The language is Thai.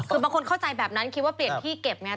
คือบางคนเข้าใจแบบนั้นคิดว่าเปลี่ยนที่เก็บไง